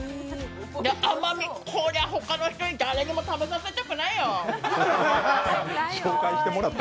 甘みこりゃ他の人に誰にも食べさせたくないよっ！